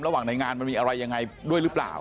ในงานมันมีอะไรยังไงด้วยหรือเปล่า